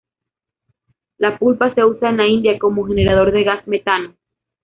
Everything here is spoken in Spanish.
La pulpa se usa en la India como generador de gas metano.